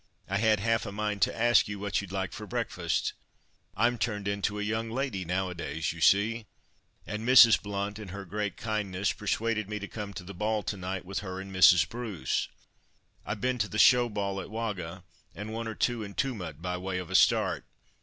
I had half a mind to ask you what you'd like for breakfast. I'm turned into a young lady, nowadays, you see! And Mrs. Blount, in her great kindness, persuaded me to come to the ball to night, with her and Mrs. Bruce. I've been to the Show Ball at Wagga, and one or two in Tumut, by way of a start.